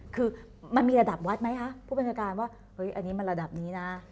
คือมันมีระดับวัดไหมคะผู้บัญชาการว่าเฮ้ยอันนี้มันระดับนี้นะ